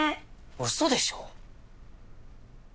嘘でしょ。